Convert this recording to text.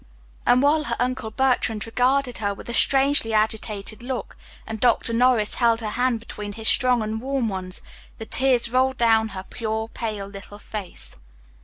And while her Uncle Bertrand regarded her with a strangely agitated look, and Dr. Norris held her hand between his strong and warm ones, the tears rolled down her pure, pale little face.